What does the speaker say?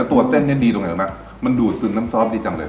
อาสาทเนี่ยเข้ามันข้นข้นเลยมันรสชาติผัดไทยแท้แพ้เลยนะ